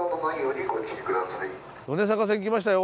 米坂線来ましたよ。